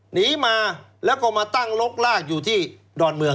หนีมาแล้วก็มาตั้งลกลากอยู่ที่ดอนเมือง